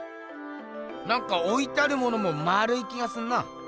なんかおいてあるものもまるい気がすんな。